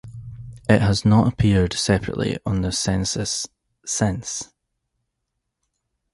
It has not appeared separately on the census since.